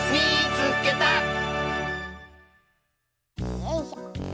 よいしょ。